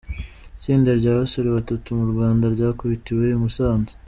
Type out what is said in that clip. Itsinda rya basore Batatu M’uRwanda ryakubitiwe i Musanze